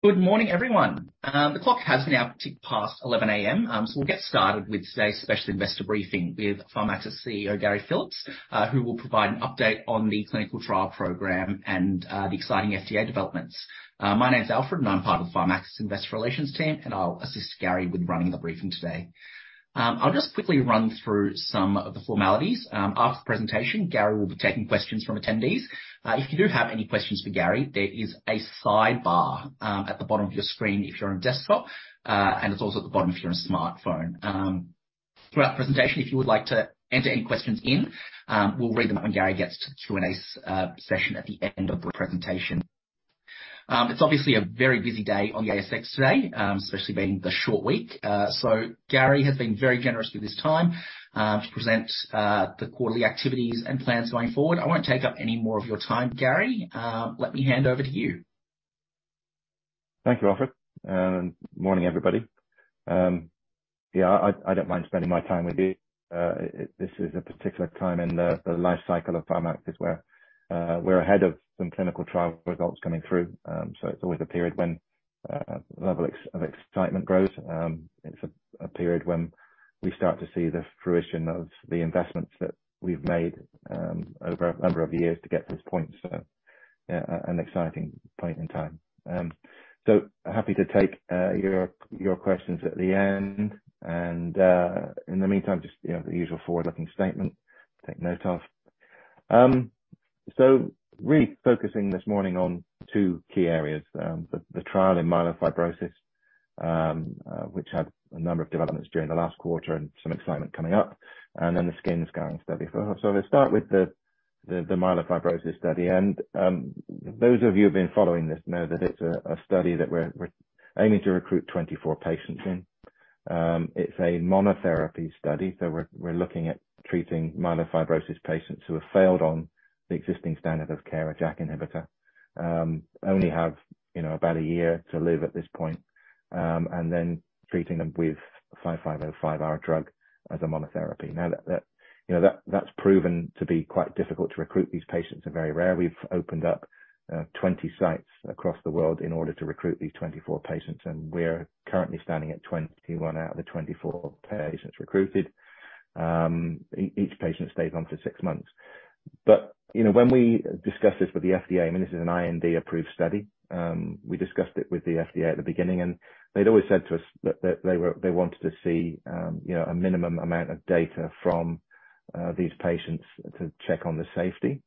Good morning, everyone. The clock has now ticked past 11:00 A.M. We'll get started with today's special investor briefing with Syntara CEO, Gary Phillips, who will provide an update on the clinical trial program and the exciting FDA developments. My name's Alfred, and I'm part of the Syntara Investor Relations team, and I'll assist Gary with running the briefing today. I'll just quickly run through some of the formalities. After the presentation, Gary will be taking questions from attendees. If you do have any questions for Gary, there is a sidebar, at the bottom of your screen if you're on a desktop, and it's also at the bottom if you're on a smartphone. Throughout the presentation, if you would like to enter any questions in, we'll read them out when Gary gets to the Q&A session at the end of the presentation. It's obviously a very busy day on the ASX today, especially being the short week. Gary has been very generous with his time to present the quarterly activities and plans going forward. I won't take up any more of your time, Gary. Let me hand over to you. Thank you, Alfred, and morning, everybody. Yeah, I don't mind spending my time with you. This is a particular time in the life cycle of Pharmaxis where, we're ahead of some clinical trial results coming through. It's always a period when level of excitement grows. It's a period when we start to see the fruition of the investments that we've made, over a number of years to get to this point. An exciting point in time. Happy to take your questions at the end, in the meantime, just, you know, the usual forward-looking statement take note of. Really focusing this morning on two key areas. The trial in myelofibrosis, which had a number of developments during the last quarter and some excitement coming up, and then the skin scarring study. Let's start with the myelofibrosis study. Those of you who've been following this know that it's a study that we're aiming to recruit 24 patients in. It's a monotherapy study, so we're looking at treating myelofibrosis patients who have failed on the existing standard of care, a JAK inhibitor. Only have, you know, about a year to live at this point, and then treating them with PXS-5505, our drug, as a monotherapy. Now that, you know that's proven to be quite difficult to recruit. These patients are very rare. We've opened up 20 sites across the world in order to recruit these 24 patients, and we're currently standing at 21 out of the 24 patients recruited. Each patient stays on for six months. You know, when we discussed this with the FDA, I mean this is an IND approved study. We discussed it with the FDA at the beginning, and they'd always said to us that they wanted to see, you know, a minimum amount of data from these patients to check on the safety.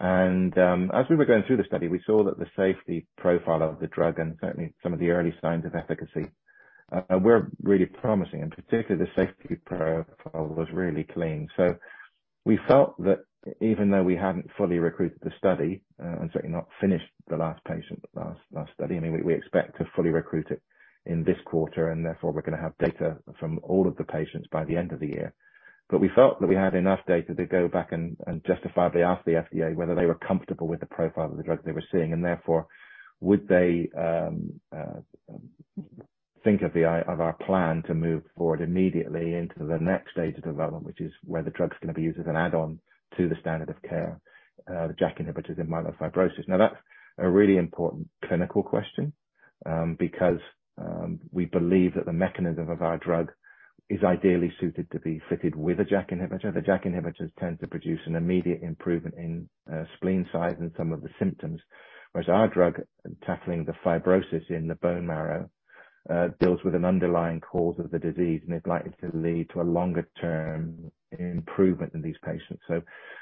As we were going through the study, we saw that the safety profile of the drug and certainly some of the early signs of efficacy were really promising, and particularly the safety profile was really clean. We felt that even though we hadn't fully recruited the study, and certainly not finished the last patient, last study, I mean we expect to fully recruit it in this quarter, and therefore we're gonna have data from all of the patients by the end of the year. We felt that we had enough data to go back and justifiably ask the FDA whether they were comfortable with the profile of the drug they were seeing, and therefore, would they think of our plan to move forward immediately into the next stage of development. Which is where the drug's gonna be used as an add-on to the standard of care, the JAK inhibitors in myelofibrosis. That's a really important clinical question, because we believe that the mechanism of our drug is ideally suited to be fitted with a JAK inhibitor. The JAK inhibitors tend to produce an immediate improvement in spleen size and some of the symptoms. Whereas our drug, tackling the fibrosis in the bone marrow, deals with an underlying cause of the disease and is likely to lead to a longer term improvement in these patients.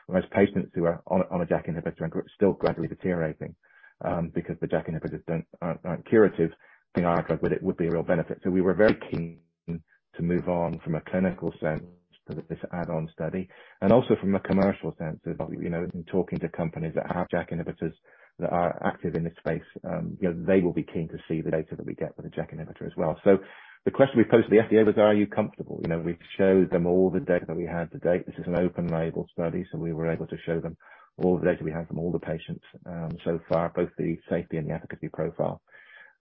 Whereas patients who are on a JAK inhibitor are still gradually deteriorating, because the JAK inhibitors aren't curative, you know, our drug would be a real benefit. We were very keen to move on from a clinical sense with this add-on study. From a commercial sense of, you know, in talking to companies that have JAK inhibitors that are active in this space, you know, they will be keen to see the data that we get with a JAK inhibitor as well. The question we posed to the FDA was, "Are you comfortable?" You know, we showed them all the data that we had to date. This is an open-label study, so we were able to show them all the data we have from all the patients so far, both the safety and the efficacy profile.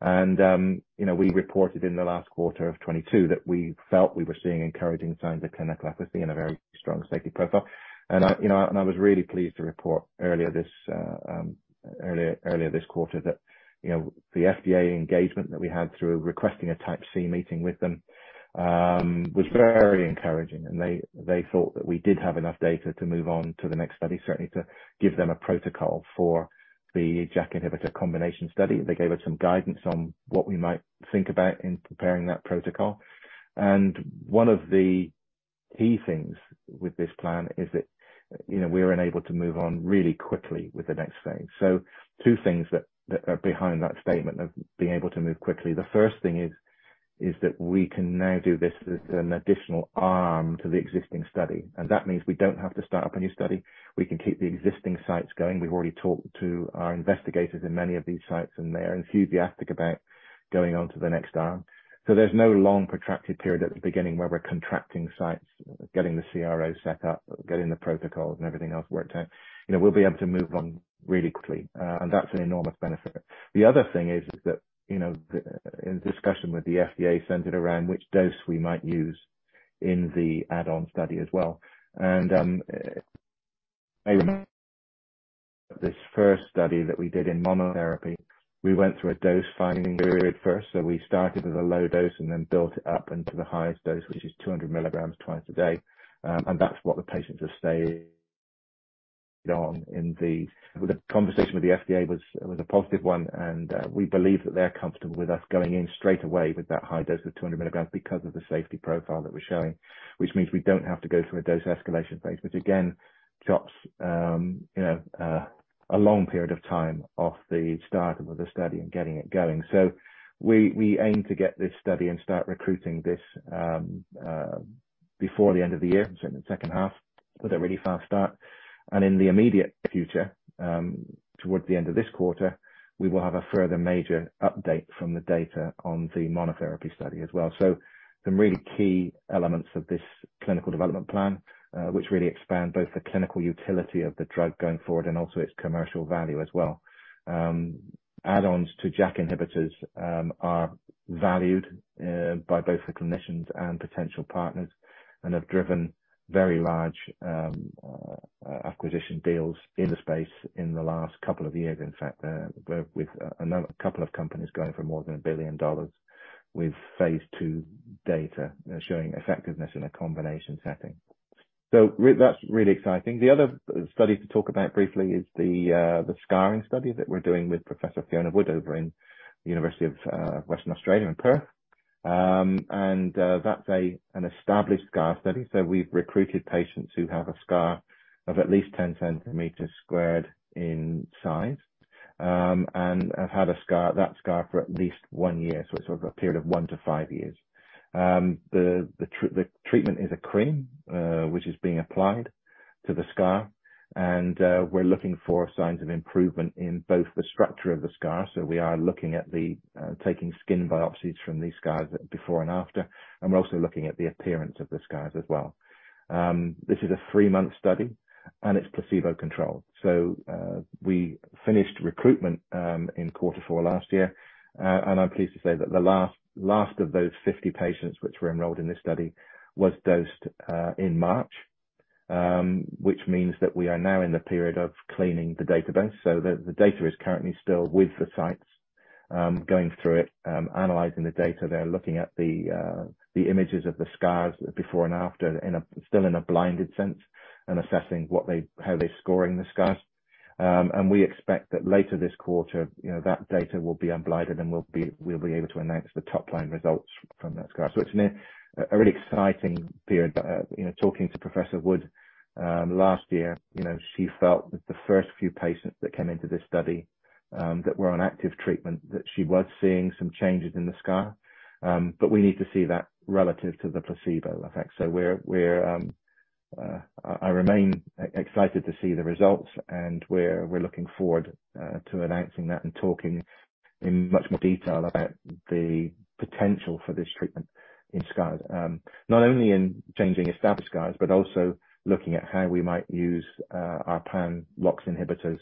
You know, we reported in the last quarter of 2022 that we felt we were seeing encouraging signs of clinical efficacy and a very strong safety profile. I, you know, and I was really pleased to report earlier this quarter that, you know, the FDA engagement that we had through requesting a Type C meeting with them, was very encouraging. They thought that we did have enough data to move on to the next study. Certainly to give them a protocol for the JAK inhibitor combination study. They gave us some guidance on what we might think about in preparing that protocol. One of the key things with this plan is that, you know, we're enabled to move on really quickly with the next phase. Two things that are behind that statement of being able to move quickly. The first thing is that we can now do this as an additional arm to the existing study. That means we don't have to start up a new study. We can keep the existing sites going. We've already talked to our investigators in many of these sites. They're enthusiastic about going on to the next arm. There's no long, protracted period at the beginning where we're contracting sites, getting the CRO set up, getting the protocols and everything else worked out. You know, we'll be able to move on really quickly. That's an enormous benefit. The other thing is that, you know, in discussion with the FDA centered around which dose we might use in the add-on study as well. This first study that we did in monotherapy, we went through a dose-finding period first. We started with a low dose and then built it up into the highest dose, which is 200 mg twice a day. That's what the patients are staying on. The conversation with the FDA was a positive one, we believe that they're comfortable with us going in straight away with that high dose of 200 mg because of the safety profile that we're showing. Means we don't have to go through a dose escalation phase, which again chops, you know, a long period of time off the start of the study and getting it going. We aim to get this study and start recruiting this before the end of the year, so in the second half with a really fast start. In the immediate future, towards the end of this quarter, we will have a further major update from the data on the monotherapy study as well. Some really key elements of this clinical development plan, which really expand both the clinical utility of the drug going forward and also its commercial value as well. Add-ons to JAK inhibitors are valued by both the clinicians and potential partners and have driven very large acquisition deals in the space in the last couple of years. In fact, we're with a couple of companies going for more than $1 billion with phase II data showing effectiveness in a combination setting. That's really exciting. The other study to talk about briefly is the scarring study that we're doing with Professor Fiona Wood over in the University of Western Australia in Perth. That's an established scar study. We've recruited patients who have a scar of at least 10 centimeters squared in size and have had that scar for at least one year. It's over a period of one to five years. The treatment is a cream which is being applied to the scar. We're looking for signs of improvement in both the structure of the scar. We are looking at the taking skin biopsies from these scars before and after. We're also looking at the appearance of the scars as well. This is a three months study, and it's placebo-controlled. We finished recruitment in Q4 last year. I'm pleased to say that the last of those 50 patients which were enrolled in this study was dosed in March. Which means that we are now in the period of cleaning the database. The data is currently still with the sites, going through it, analyzing the data. They're looking at the images of the scars before and after still in a blinded sense, and assessing how they're scoring the scars. We expect that later this quarter, you know, that data will be unblinded, and we'll be able to announce the top line results from that scar. It's been a really exciting period. You know, talking to Professor Wood, last year, you know, she felt that the first few patients that came into this study, that were on active treatment, that she was seeing some changes in the scar. We need to see that relative to the placebo effect. We're excited to see the results, and we're looking forward to announcing that and talking in much more detail about the potential for this treatment in scars. Not only in changing established scars but also looking at how we might use our pan-LOX inhibitors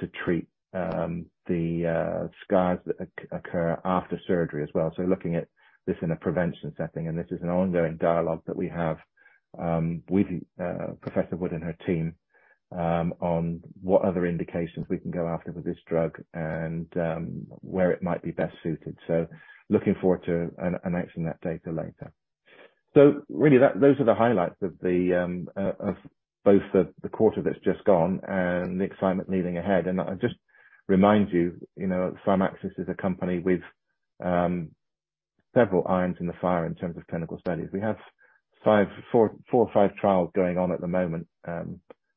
to treat the scars that occur after surgery as well. Looking at this in a prevention setting, and this is an ongoing dialogue that we have, with Professor Wood and her team, on what other indications we can go after with this drug and where it might be best suited. Looking forward to announcing that data later. Really those are the highlights of the of both the quarter that's just gone and the excitement leading ahead. I'll just remind you know, Syntara is a company with several irons in the fire in terms of clinical studies. We have five, four or five trials going on at the moment.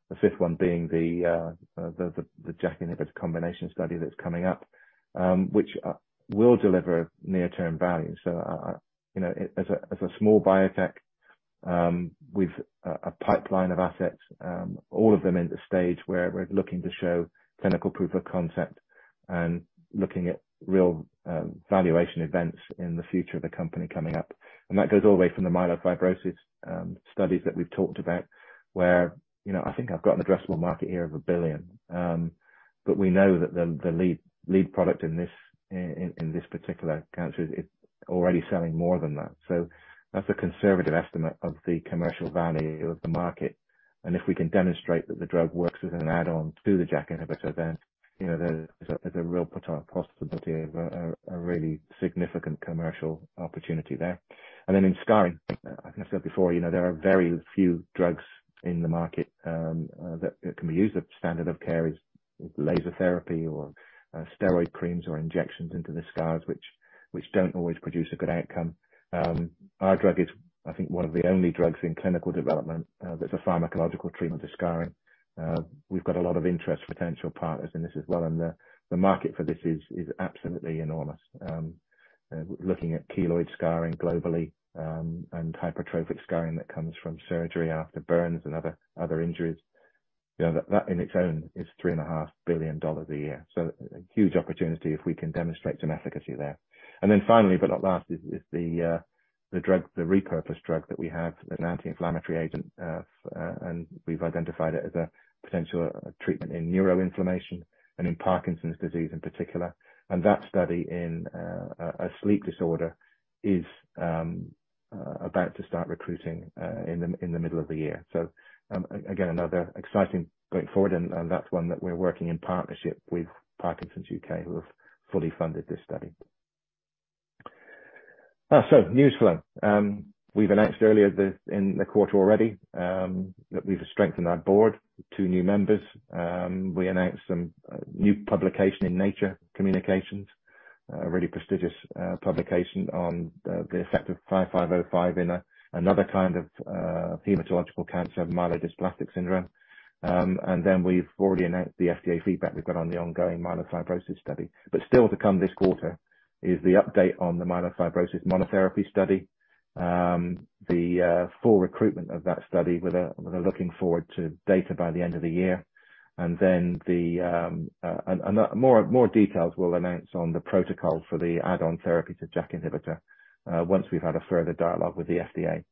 The fifth one being the, the JAK inhibitor combination study that's coming up, which will deliver near-term value. you know as a small biotech, with a pipeline of assets, all of them in the stage where we're looking to show clinical proof of concept and looking at real, valuation events in the future of the company coming up. That goes all the way from the myelofibrosis studies that we've talked about where, you know, I think I've got an addressable market here of 1 billion. But we know that the lead product in this, in this particular cancer is already selling more than that. That's a conservative estimate of the commercial value of the market. If we can demonstrate that the drug works as an add-on to the JAK inhibitor, then, you know, there's a, there's a real possibility of a really significant commercial opportunity there. Then in scarring, as I said before, you know, there are very few drugs in the market that can be used. The standard of care is laser therapy or steroid creams or injections into the scars which don't always produce a good outcome. Our drug is, I think, one of the only drugs in clinical development that's a pharmacological treatment of scarring. We've got a lot of interest from potential partners in this as well, and the market for this is absolutely enormous. Looking at keloid scarring globally, and hypertrophic scarring that comes from surgery after burns and other injuries. You know, that in its own is $3.5 billion a year. A huge opportunity if we can demonstrate some efficacy there. Finally, but not last, is the drug, the repurposed drug that we have, an anti-inflammatory agent, and we've identified it as a potential treatment in neuroinflammation and in Parkinson's disease in particular. That study in a sleep disorder is about to start recruiting in the middle of the year. Again, another exciting going forward, and that's one that we're working in partnership with Parkinson's UK, who have fully funded this study. News flow. We've announced earlier this in the quarter already that we've strengthened our board, two new members. We announced some new publication in Nature Communications, a really prestigious publication on the effect of PXS-5505 in another kind of hematological cancer, myelodysplastic syndrome. We've already announced the FDA feedback we've got on the ongoing myelofibrosis study. Still to come this quarter is the update on the myelofibrosis monotherapy study, the full recruitment of that study, with a looking forward to data by the end of the year. The more details we'll announce on the protocol for the add-on therapy to JAK inhibitor once we've had a further dialogue with the FDA.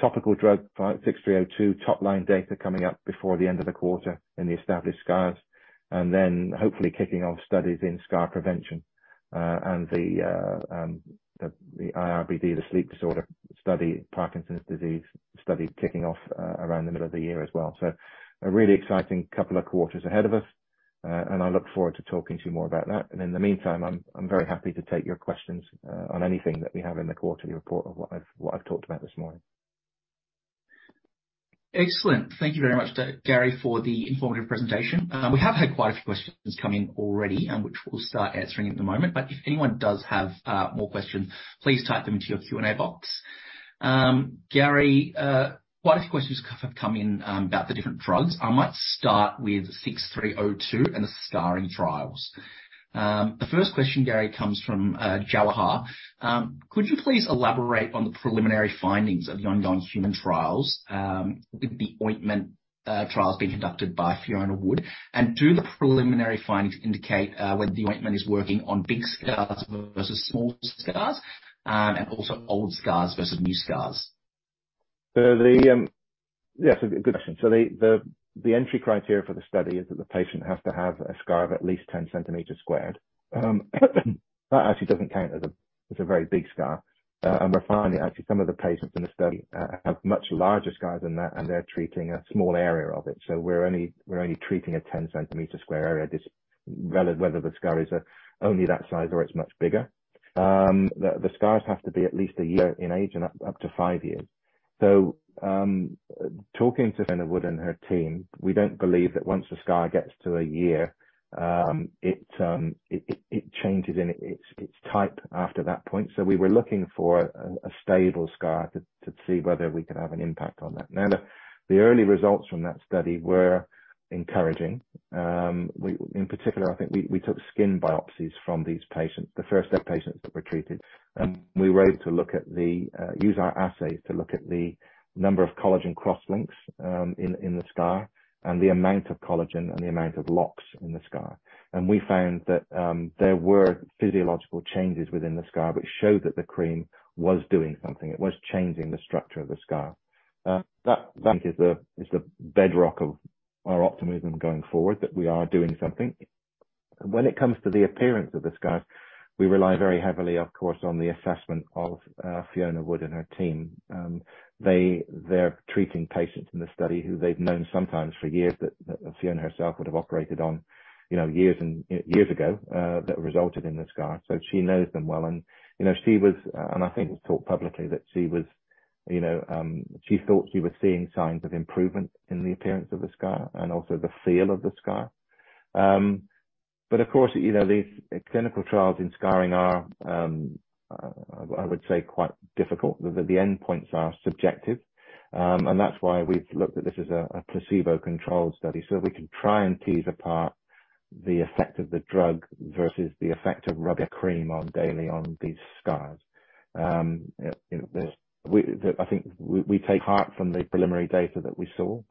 Topical drug PXS-6302, top line data coming up before the end of the quarter in the established scars, and then hopefully kicking off studies in scar prevention, and the RBD, the sleep disorder study, Parkinson's disease study, kicking off around the middle of the year as well. A really exciting couple of quarters ahead of us, and I look forward to talking to you more about that. In the meantime, I'm very happy to take your questions on anything that we have in the quarterly report of what I've talked about this morning. Excellent. Thank you very much to Gary for the informative presentation. We have had quite a few questions come in already, which we'll start answering in a moment. If anyone does have more questions, please type them into your Q&A box. Gary, quite a few questions have come in about the different drugs. I might start with PXS-6302 and the scarring trials. The first question, Gary, comes from Jawahar. Could you please elaborate on the preliminary findings of the ongoing human trials with the ointment, trials being conducted by Fiona Wood? Do the preliminary findings indicate whether the ointment is working on big scars versus small scars, and also old scars versus new scars? Yes, a good question. The entry criteria for the study is that the patient has to have a scar of at least 10 centimeters squared. That actually doesn't count as a very big scar. And we're finding actually some of the patients in the study have much larger scars than that, and they're treating a small area of it. We're only treating a 10 centimeter square area, this whether the scar is only that size or it's much bigger. The scars have to be at least one year in age and up to five years. Talking to Fiona Wood and her team, we don't believe that once a scar gets to one year, it changes in its type after that point. We were looking for a stable scar to see whether we could have an impact on that. The early results from that study were encouraging. In particular, I think we took skin biopsies from these patients, the first eight patients that were treated, and we were able to look at the, use our assays to look at the number of collagen crosslinks in the scar and the amount of collagen and the amount of LOX in the scar. We found that there were physiological changes within the scar which showed that the cream was doing something, it was changing the structure of the scar. That is the bedrock of our optimism going forward, that we are doing something. When it comes to the appearance of the scars, we rely very heavily, of course, on the assessment of, Fiona Wood and her team. They're treating patients in the study who they've known sometimes for years, that Fiona herself would have operated on, you know, years ago, that resulted in the scar. She knows them well and, you know, she was, and I think it was taught publicly that she was, you know, she thought she was seeing signs of improvement in the appearance of the scar and also the feel of the scar. Of course, you know, these clinical trials in scarring are, I would say quite difficult. The endpoints are subjective. That's why we've looked at this as a placebo-controlled study, so that we can try and tease apart the effect of the drug versus the effect of rubbing a cream on daily on these scars. You know, I think we take heart from the preliminary data that we saw,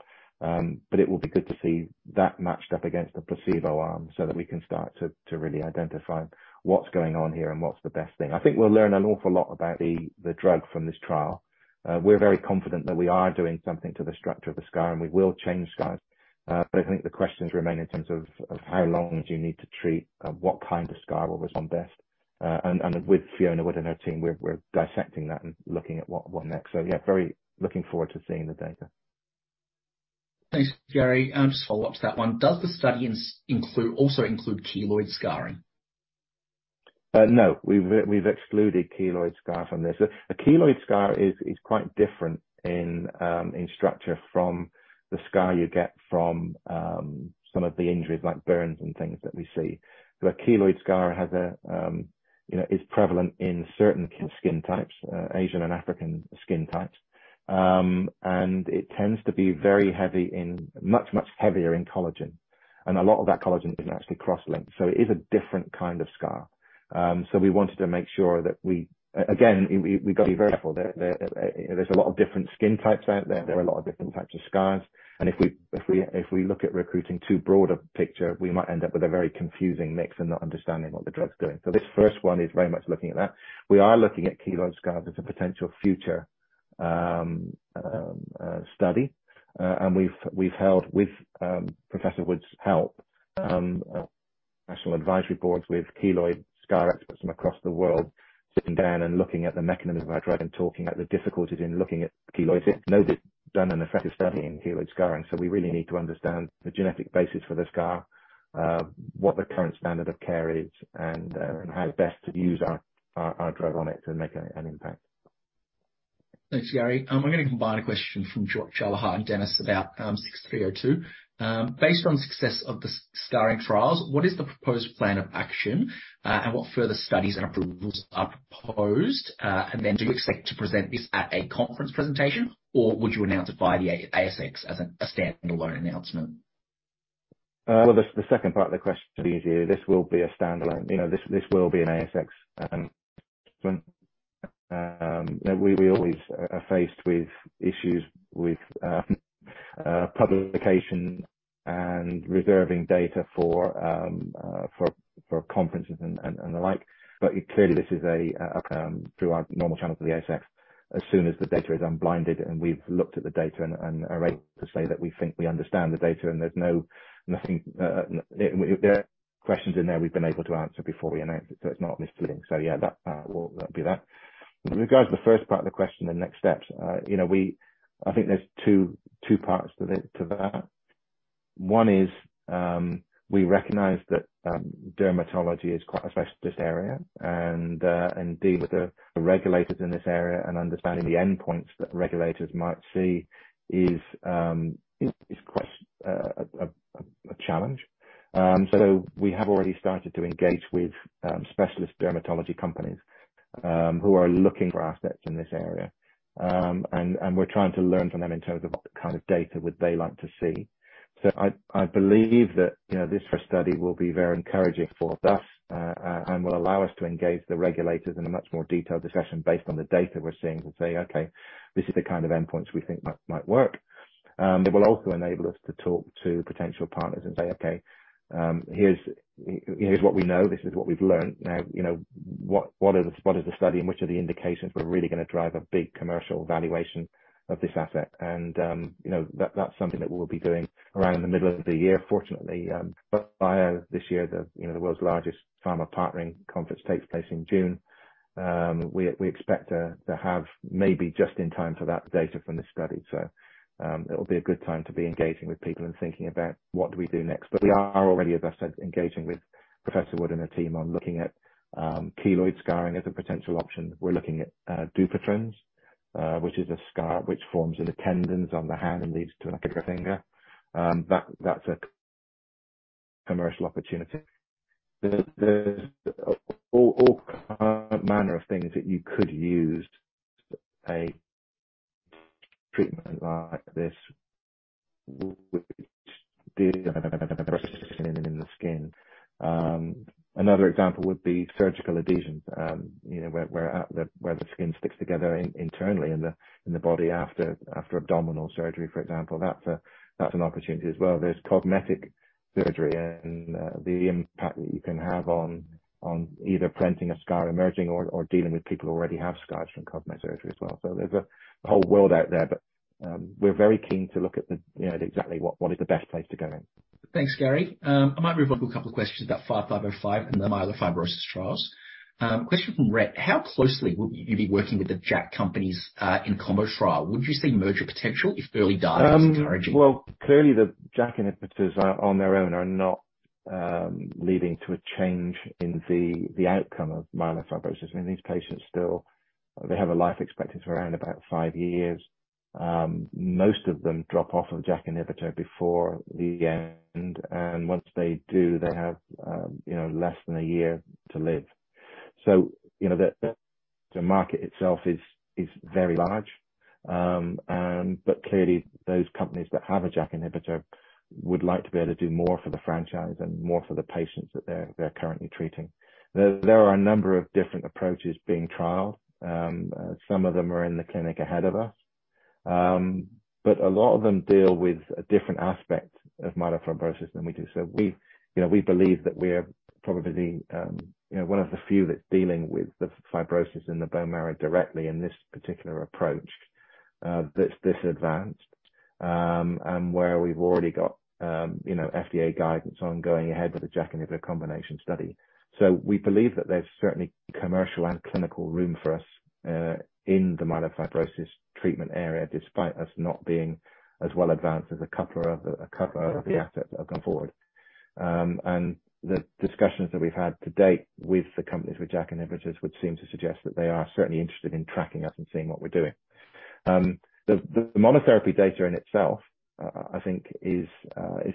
it will be good to see that matched up against the placebo arm so that we can start to really identify what's going on here and what's the best thing. I think we'll learn an awful lot about the drug from this trial. We're very confident that we are doing something to the structure of the scar and we will change scars. I think the questions remain in terms of how long do you need to treat? What kind of scar will respond best? With Fiona Wood and her team, we're dissecting that and looking at what next. Yeah, very looking forward to seeing the data. Thanks, Gary. just a follow-up to that one. Does the study also include keloid scarring? No. We've excluded keloid scar from this. A keloid scar is quite different in structure from the scar you get from some of the injuries like burns and things that we see. The keloid scar has a, you know, is prevalent in certain skin types, Asian and African skin types. It tends to be very heavy in, much heavier in collagen. A lot of that collagen isn't actually cross-linked, so it is a different kind of scar. We wanted to make sure that we. Again, we've got to be very careful. There's a lot of different skin types out there. There are a lot of different types of scars. If we look at recruiting too broad a picture, we might end up with a very confusing mix and not understanding what the drug's doing. This first one is very much looking at that. We are looking at keloid scars as a potential future study. We've held with Professor Wood's help, national advisory boards with keloid scar experts from across the world, sitting down and looking at the mechanism of our drug and talking at the difficulties in looking at keloids. Nobody's done an effective study in keloid scarring. We really need to understand the genetic basis for the scar, what the current standard of care is, and how best to use our drug on it to make an impact. Thanks, Gary. I'm gonna combine a question from George Gela and Dennis about PXS-6302. Based on success of the scarring trials, what is the proposed plan of action, and what further studies and approvals are proposed? Do you expect to present this at a conference presentation or would you announce it via the ASX as a standalone announcement? Well, the second part of the question is easy. This will be a standalone. You know, this will be an ASX announcement. You know we always are faced with issues with publication and reserving data for conferences and the like. Clearly this is a through our normal channel to the ASX as soon as the data is unblinded and we've looked at the data and are able to say that we think we understand the data and there's nothing if there are questions in there we've been able to answer before we announce it, so it's not misleading. Yeah, that will be that. In regards to the first part of the question, the next steps, you know, I think there's two parts to it, to that. One is, we recognize that dermatology is quite a specialist area and dealing with the regulators in this area and understanding the endpoints that regulators might see is quite a challenge. We have already started to engage with specialist dermatology companies who are looking for assets in this area. We're trying to learn from them in terms of what kind of data would they like to see. I believe that, you know, this first study will be very encouraging for us, and will allow us to engage the regulators in a much more detailed discussion based on the data we're seeing to say, "Okay, this is the kind of endpoints we think might work." It will also enable us to talk to potential partners and say, "Okay, here's what we know. This is what we've learned. Now, you know, what is the study and which are the indications we're really gonna drive a big commercial valuation of this asset?" You know, that's something that we'll be doing around the middle of the year, fortunately. By this year, you know, the world's largest pharma partnering conference takes place in June. We expect to have maybe just in time for that data from the study. It'll be a good time to be engaging with people and thinking about what do we do next. We are already, as I said, engaging with Professor Wood and her team on looking at keloid scarring as a potential option. We're looking at Dupuytren's, which is a scar which forms in the tendons on the hand and leads to a finger. That's a commercial opportunity. There's all kind of manner of things that you could use a treatment like this which deal with the skin, another example would be surgical adhesions. You know, where the skin sticks together internally in the body after abdominal surgery, for example. That's an opportunity as well. There's cosmetic surgery and the impact that you can have on either preventing a scar emerging or dealing with people who already have scars from cosmetic surgery as well. There's a whole world out there. We're very keen to look at the, you know, exactly what is the best place to go in. Thanks, Gary. I might move on to a couple of questions about 5505 and the myelofibrosis trials. Question from Rhett: How closely will you be working with the JAK companies in combo trial? Would you see merger potential if early data is encouraging? Well, clearly the JAK inhibitors are, on their own, are not leading to a change in the outcome of myelofibrosis. I mean, these patients still, they have a life expectancy around about five years. Most of them drop off of JAK inhibitor before the end, and once they do, they have, you know, less than a year to live. You know, the market itself is very large. Clearly those companies that have a JAK inhibitor would like to be able to do more for the franchise and more for the patients that they're currently treating. There are a number of different approaches being trialed. Some of them are in the clinic ahead of us. A lot of them deal with a different aspect of myelofibrosis than we do. We, you know, we believe that we're probably, you know, one of the few that's dealing with the fibrosis in the bone marrow directly in this particular approach, that's this advanced, and where we've already got, you know, FDA guidance on going ahead with a JAK inhibitor combination study. We believe that there's certainly commercial and clinical room for us in the myelofibrosis treatment area, despite us not being as well advanced as a couple of the assets that have come forward. The discussions that we've had to date with the companies with JAK inhibitors would seem to suggest that they are certainly interested in tracking us and seeing what we're doing. The monotherapy data in itself, I think is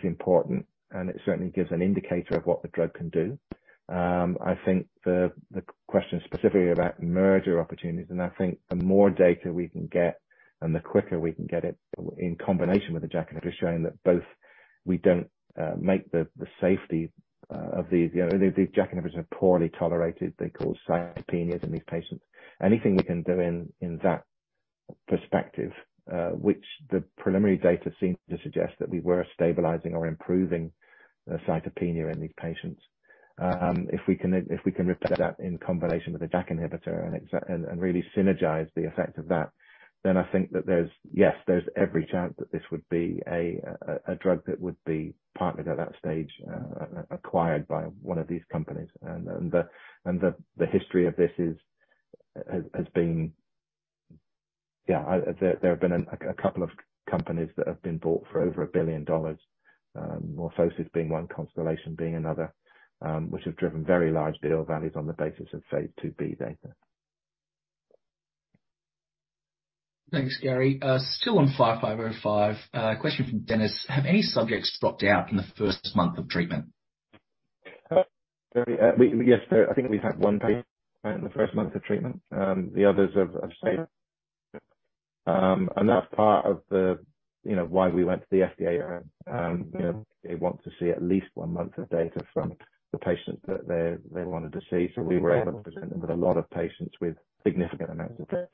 important. It certainly gives an indicator of what the drug can do. I think the question specifically about merger opportunities, I think the more data we can get and the quicker we can get it in combination with the JAK inhibitor showing that both we don't make the safety of these. You know, the JAK inhibitors are poorly tolerated. They cause cytopenias in these patients. Anything we can do in that perspective, which the preliminary data seemed to suggest that we were stabilizing or improving the cytopenia in these patients. If we can rip that out in combination with a JAK inhibitor and really synergize the effect of that, then I think that there's, yes, there's every chance that this would be a drug that would be partnered at that stage, acquired by one of these companies. The history of this is, has been. There have been a couple of companies that have been bought for over $1 billion. Morpho Sys being one, Constellation being another, which have driven very large bill values on the basis of phase IIb data. Thanks, Gary. Still on PXS-5505. A question from Dennis. Have any subjects dropped out in the first month of treatment? Very Yes. I think we've had one patient in the first month of treatment, the others have stayed. That's part of the, you know, why we went to the FDA, you know, they want to see at least one month of data from the patients that they wanted to see. We were able to present them with a lot of patients with significant amounts of data.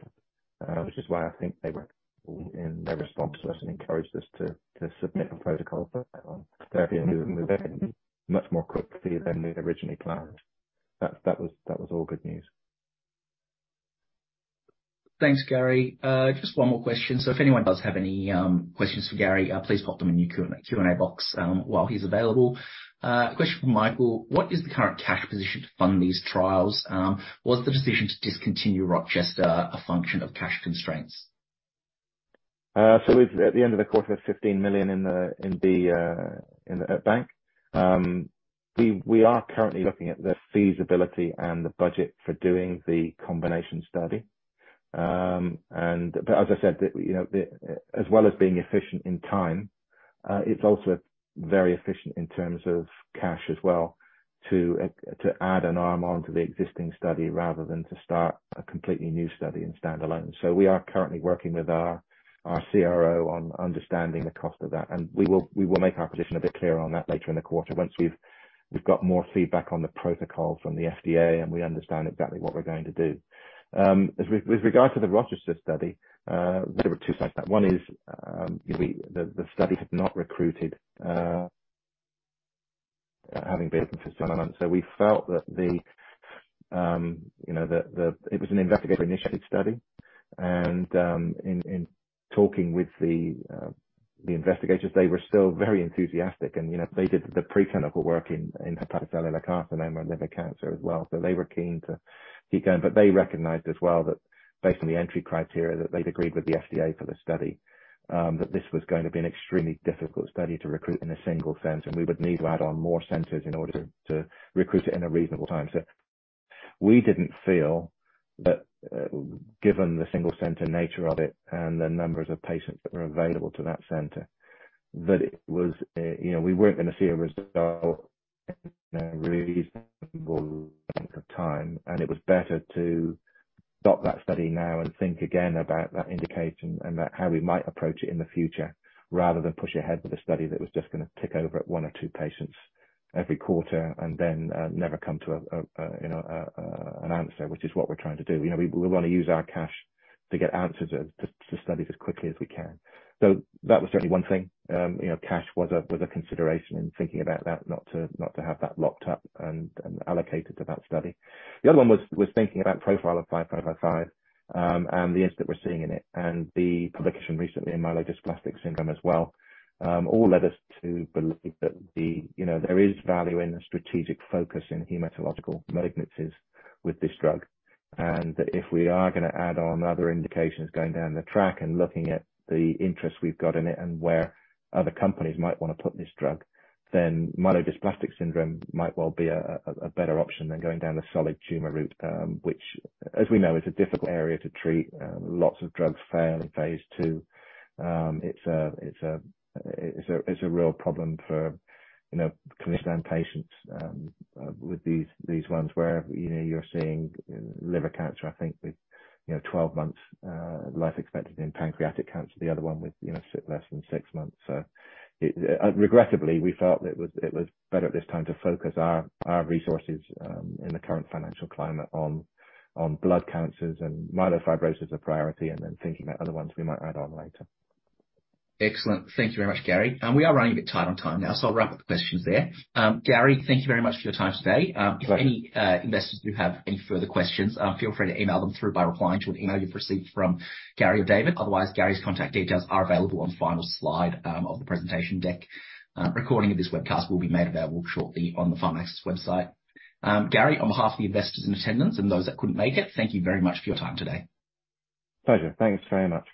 Which is why I think they were in their response to us and encouraged us to submit a protocol for that one. They're being able to move it much more quickly than we had originally planned. That was all good news. Thanks, Gary. Just one more question. If anyone does have any questions for Gary, please pop them in the Q&A box while he's available. A question from Michael. What is the current cash position to fund these trials? Was the decision to discontinue Rochester a function of cash constraints? At the end of the quarter, 15 million in the bank. We are currently looking at the feasibility and the budget for doing the combination study. As I said, you know, as well as being efficient in time, it's also very efficient in terms of cash as well to add an arm on to the existing study rather than to start a completely new study in stand-alone. We are currently working with our CRO on understanding the cost of that, and we will make our position a bit clearer on that later in the quarter once we've got more feedback on the protocol from the FDA and we understand exactly what we're going to do. As with regard to the Rochester study, there were two sides to that. One is, you know, the study had not recruited, having been for some months, so we felt that, you know, it was an investigator-initiated study and, in talking with the investigators, they were still very enthusiastic. You know, they did the preclinical work in hepatocellular carcinoma and liver cancer as well. They recognized as well that based on the entry criteria that they'd agreed with the FDA for the study, that this was gonna be an extremely difficult study to recruit in a single center. We would need to add on more centers in order to recruit it in a reasonable time. We didn't feel that, given the single center nature of it and the numbers of patients that were available to that center, that it was, you know, we weren't gonna see a result in a reasonable length of time. It was better to stop that study now and think again about that indication and how we might approach it in the future, rather than push ahead with a study that was just gonna tick over at one or two patients every quarter and then never come to a, you know, an answer, which is what we're trying to do. You know, we wanna use our cash to get answers to studies as quickly as we can. That was certainly one thing. You know, cash was a consideration in thinking about that, not to, not to have that locked up and allocated to that study. The other one was thinking about profile of PXS-5505, and the interest that we're seeing in it, and the publication recently in myelodysplastic syndrome as well. All led us to believe that, you know, there is value in the strategic focus in hematological malignancies with this drug. That if we are gonna add on other indications going down the track and looking at the interest we've got in it and where other companies might wanna put this drug, then myelodysplastic syndrome might well be a better option than going down the solid tumor route, which as we know, is a difficult area to treat. Lots of drugs fail in phase II. It's a real problem for, you know, clinicians and patients, with these ones where, you know, you're seeing liver cancer, I think with, you know, 12 months life expectancy in pancreatic cancer, the other one with, you know, less than six months. Regrettably, we felt it was better at this time to focus our resources in the current financial climate on blood cancers and myelofibrosis a priority, and then thinking about other ones we might add on later. Excellent. Thank you very much, Gary. We are running a bit tight on time now, so I'll wrap up the questions there. Gary, thank you very much for your time today. Pleasure. If any investors do have any further questions, feel free to email them through by replying to an email you've received from Gary or David. Otherwise, Gary's contact details are available on the final slide of the presentation deck. A recording of this webcast will be made available shortly on the Pharmaxis website. Gary, on behalf of the investors in attendance and those that couldn't make it, thank you very much for your time today. Pleasure. Thanks very much.